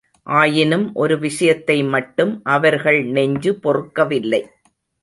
ஆயினும் ஒரு விஷயத்தை மட்டும் அவர்கள் நெஞ்சு பொறுக்கவில்லை.